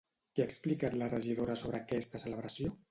Què ha explicat la regidora sobre aquesta celebració?